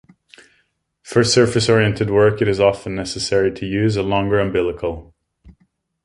For surface oriented work it is often necessary to use a longer umbilical.